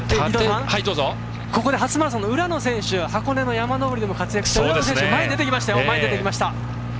ここで初マラソンの浦野選手箱根の山登りでも活躍した選手前に出てきました。